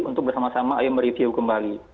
untuk bersama sama ayo mereview kembali